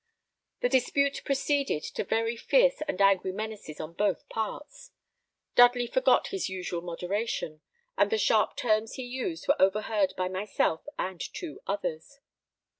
The dispute proceeded to very fierce and angry menaces on both parts. Dudley forgot his usual moderation, and the sharp terms he used were overheard by myself and two others.